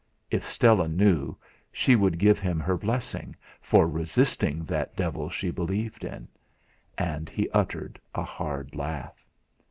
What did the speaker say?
If Stella knew, she would give him her blessing for resisting that devil she believed in; and he uttered a hard laugh.